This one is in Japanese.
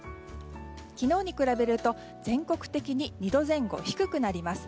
昨日に比べると全国的に２度前後低くなります。